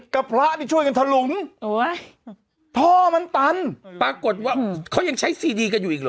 ก็ประทิกอย่างถลุงโอ๊ยพ่อมันตันปรากฏว่าเขายังใช้สีดีกับอยู่อีกหรอ